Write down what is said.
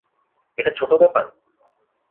এটা ছোটো ব্যাপার?